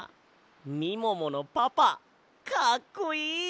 みもものパパかっこいい！